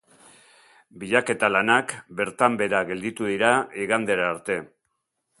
Bilaketa lanak bertan behera gelditu dira igandera arte.